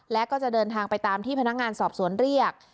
และก็จะเดินทางไปตามที่พนักงานสอบสวนเรียก